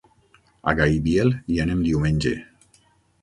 A Gaibiel hi anem diumenge.